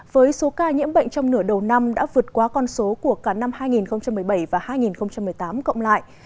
với số ca nhiễm bệnh trong nửa đầu năm đã vượt qua con số của cả năm hai nghìn một mươi bảy và hai nghìn một mươi tám cộng lại